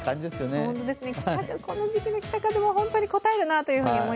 この時期の北風はホントにこたえるなと。